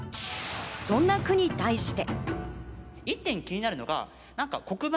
そんな句に対して。